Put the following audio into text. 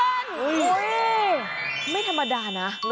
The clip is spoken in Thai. โอ้โหไม่ธรรมดานะ